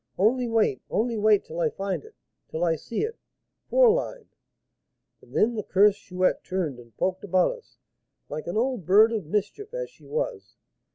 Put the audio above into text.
'Only wait, only wait till I find it, till I see it, fourline.' And then the cursed Chouette turned and poked about us, like an old bird of mischief as she was.